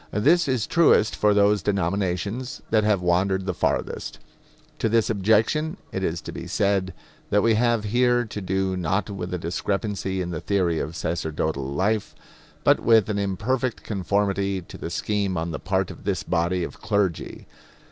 This is truest for those denominations that have wandered the farthest. To this objection it is to be said that we have here to do not with a discrepancy in the theory of sacerdotal life, but with an imperfect conformity to the scheme on the part of this body of clergy.